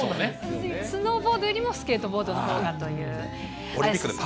スノーボードよりもスケートボードのほうがという綾瀬さん。